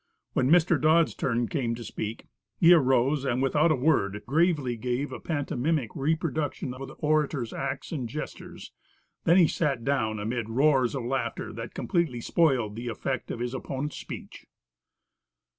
When Mr. Dodd's turn to speak came, he arose, and without a word, gravely gave a pantomimic reproduction of the orator's acts and gestures. Then he sat down amid roars of laughter, that completely spoiled the effect of his opponent's speech.